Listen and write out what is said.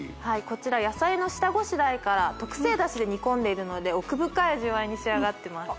こちら野菜の下ごしらえから特製ダシで煮込んでいるので奥深い味わいに仕上がってます